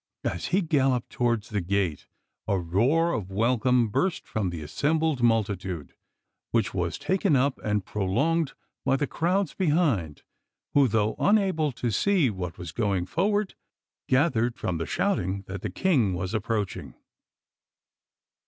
As he galloped towards the gate a roar of welcome burst from the assembled multitude, which was taken up and prolonged by the crowds behind, who, though unable to see what was going forward, gathered from the shouting that the King was approaching.